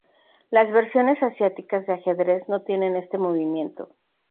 Las versiones asiáticas de ajedrez no tienen este movimiento.